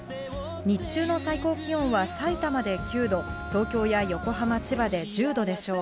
日中の最高気温は埼玉で９度、東京や横浜、千葉で１０度でしょう。